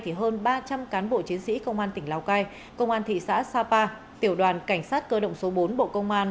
hơn ba trăm linh cán bộ chiến sĩ công an tỉnh lào cai công an thị xã sapa tiểu đoàn cảnh sát cơ động số bốn bộ công an